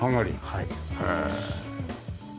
はい。